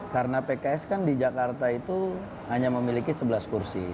karena pks kan di jakarta itu hanya memiliki sebelas kursi